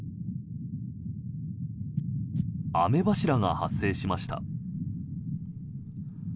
雨柱が発生しました。